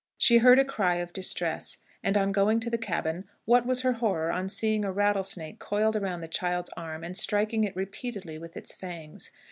She heard a cry of distress, and, on going to the cabin, what was her horror on seeing a rattlesnake coiled around the child's arm, and striking it repeatedly with its fangs.